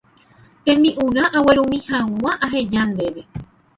tembi'urã aguerumi hag̃ua aheja ndéve